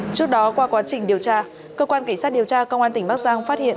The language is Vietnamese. trước đó qua quá trình điều tra cơ quan cảnh sát điều tra công an tỉnh bắc giang phát hiện